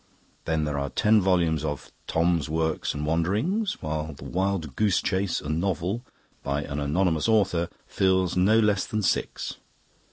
Then there are ten volumes of 'Thom's Works and Wanderings', while the 'Wild Goose Chase, a Novel', by an anonymous author, fills no less than six.